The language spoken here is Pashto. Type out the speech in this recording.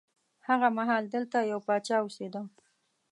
هغه مهال دلته یو پاچا اوسېده.